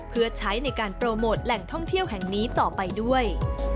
เพื่อใช้ในการโปรโมทแหล่งท่องเที่ยวแห่งนี้ต่อไปด้วย